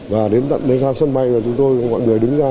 và đến ra sân bay là chúng tôi mọi người đứng ra